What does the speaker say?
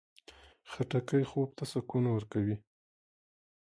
خټکی خوب ته سکون ورکوي.